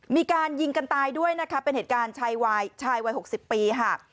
มีการยิงกันตายด้วยนะคะเป็นเหตุการณ์ชายวัย๖๐ปีค่ะ